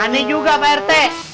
aneh juga pak rete